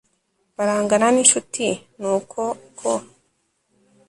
barangana n'incuti ni uko, ko